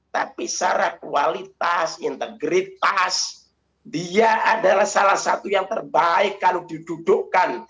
tapi secara kualitas integritas dia adalah salah satu yang terbaik kalau didudukkan